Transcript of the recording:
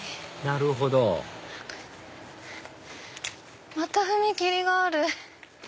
なるほどまた踏切がある。